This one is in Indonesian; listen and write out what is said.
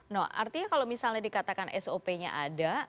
no artinya kalau misalnya dikatakan sop nya ada